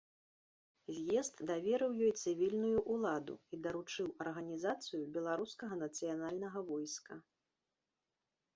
З'езд даверыў ёй цывільную ўладу і даручыў арганізацыю беларускага нацыянальнага войска.